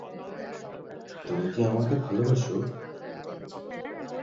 তুমি কি আমাকে ভালোবাসো?